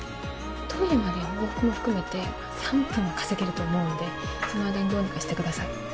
トイレまでの往復も含めて３分は稼げると思うんでその間にどうにかしてください。